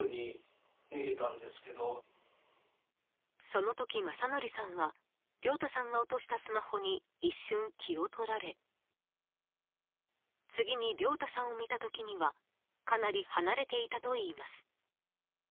その時、正則さんは亮太さんが落としたスマホに一瞬、気をとられ次に亮太さんを見た時にはかなり離れていたといいます。